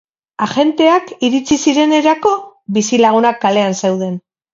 Agenteak iritsi zirenerako, bizilagunak kalean zeuden.